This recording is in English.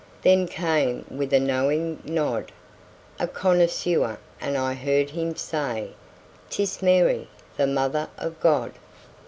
Then came, with a knowing nod, A connoisseur, and I heard him say; "'Tis Mary, the Mother of God."